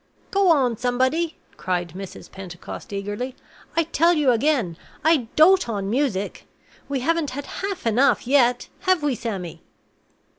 "Go on, somebody!" cried Mrs. Pentecost, eagerly. "I tell you again, I dote on music. We haven't had half enough yet, have we, Sammy?"